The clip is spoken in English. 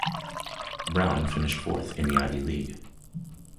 Brown finished fourth in the Ivy League.